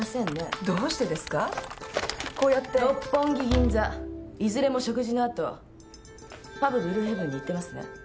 銀座いずれも食事のあとパブ「ブルーヘブン」に行ってますね？